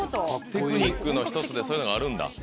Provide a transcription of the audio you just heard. テクニックの１つでそういうのがあるんだ。